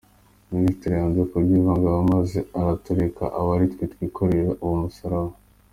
Ministre yanze kubyivangamo maze aratureka aba ari twe twikorera uwo musaraba.